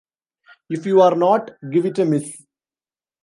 If you are not, give it a miss.